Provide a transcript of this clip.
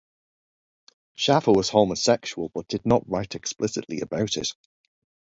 Shaffer was homosexual but did not write explicitly about it.